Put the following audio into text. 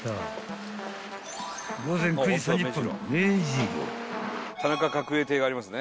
［午前９時３０分］